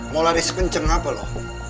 mau lari sekenceng apa lo